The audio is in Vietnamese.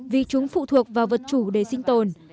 vì chúng phụ thuộc vào vật chủ để sinh tồn